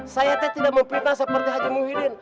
saya tidak memfitnah seperti haji muhyiddin